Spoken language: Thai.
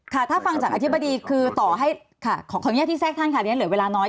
ค่ะถ้าฟังจากอธิบดีคือต่อให้ขออนุญาตที่แทรกท่านค่ะเรียนเหลือเวลาน้อย